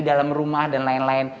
di dalam rumah dan lain lain